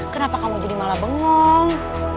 kenapa kamu jadi malah bengong